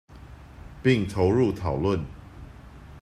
並投入討論